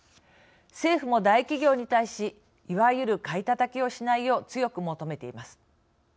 政府も、大企業に対しいわゆる買いたたきをしないよう強く求めています。